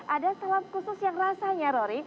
ada salam khusus yang rasanya rory